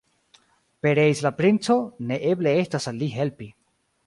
Pereis la princo, ne eble estas al li helpi.